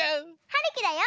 はるきだよ。